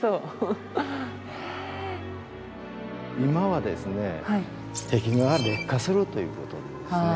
今はですね壁画が劣化するということでですね